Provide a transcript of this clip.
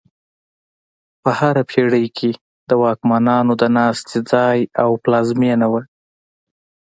په هره پېړۍ کې د واکمنانو د ناستې ځای او پلازمینه وه.